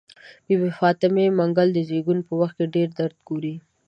بي بي فاطمه منګل د زيږون په وخت کې ډير درد ګوري.